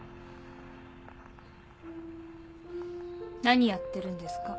何やってるんですか？